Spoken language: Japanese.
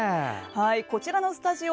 こちらのスタジオ